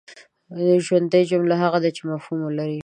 ژوندۍ جمله هغه ده چي مفهوم ولري.